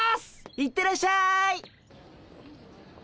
行ってらっしゃい。